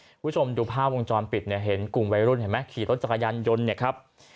คุณผู้ชมดูภาพวงจรปิดเนี่ยเห็นกลุ่มวัยรุ่นเห็นไหมขี่รถจักรยานยนต์เนี่ยครับ